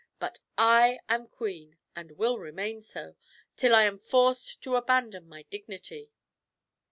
"But I am queen, and will remain so, till I am forced to abandon my dignity."